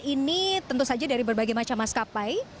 ini tentu saja dari berbagai macam maskapai